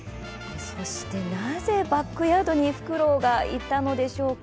そして、なぜバックヤードにふくろうがいたのでしょうか。